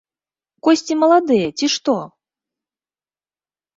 Косці маладыя, ці што!